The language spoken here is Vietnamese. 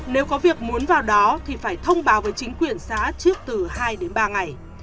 nếu có việc muốn vào đó thì phải thông báo với chính quyền xã trước từ hai đến ba ngày